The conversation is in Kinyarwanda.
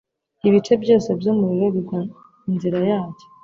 ibice byose byumuriro bigwa inzira yacyo